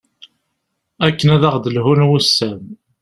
akken ad aɣ-d-lhun wussan